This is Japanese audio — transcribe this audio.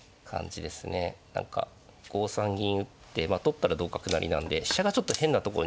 何か５三銀打って取ったら同角成なんで飛車がちょっと変なとこに。